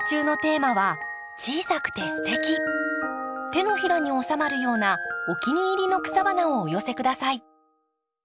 手のひらにおさまるようなお気に入りの草花をお寄せ下さい。